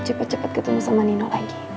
cepat cepat ketemu sama nino lagi